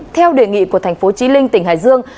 theo đề nghị của tp chí linh tỉnh hải dương